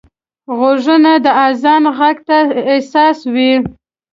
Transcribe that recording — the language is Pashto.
غوږونه د اذان غږ ته حساس وي